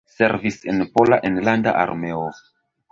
Servis en Pola Enlanda Armeo.